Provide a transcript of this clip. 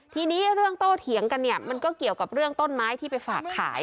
ทีนี้เรื่องโตเถียงกันเนี่ยมันก็เกี่ยวกับเรื่องต้นไม้ที่ไปฝากขาย